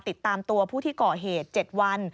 ติดตามตัวผู้ที่ก่อเหตุ๗วัน